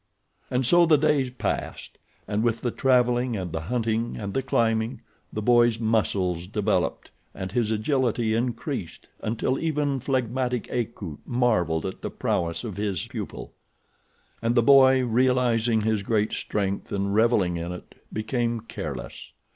And so the days passed, and with the traveling and the hunting and the climbing the boy's muscles developed and his agility increased until even phlegmatic Akut marvelled at the prowess of his pupil. And the boy, realizing his great strength and revelling in it, became careless.